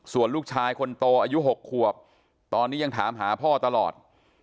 ส่วนลูกชายคนโตอายุ๖ขวบตอนนี้ยังถามหาพ่อตลอด